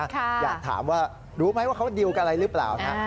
อยากถามว่ารู้ไหมว่าเขาดิวกันอะไรหรือเปล่านะ